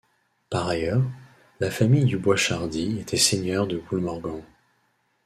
Par ailleurs, la famille du Boishardy était seigneur de Poulmorgant.